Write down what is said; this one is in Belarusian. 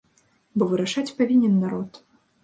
Бо вырашаць павінен народ.